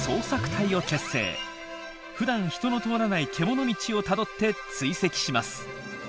ふだん人の通らないけもの道をたどって追跡します。